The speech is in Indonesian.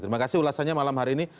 terima kasih ulasannya malam hari ini